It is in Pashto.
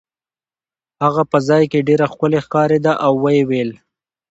هغه په ځای کې ډېره ښکلې ښکارېده او ویې ویل.